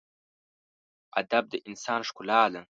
ادب د انسان ښکلا ده.